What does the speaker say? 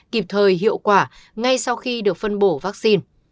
kịp thời hiệu quả ngay sau khi được phân bổ vaccine